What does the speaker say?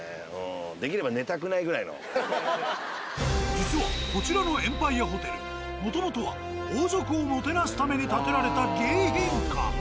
実はこちらのエンパイアホテルもともとは王族をもてなすために建てられた迎賓館。